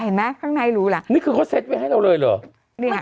เห็นไหมข้างในรู้ล่ะนี่คือเขาเซ็ตไว้ให้เราเลยเหรอเนี่ย